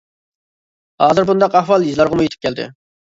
ھازىر بۇنداق ئەھۋال يېزىلارغىمۇ يېتىپ كەلدى.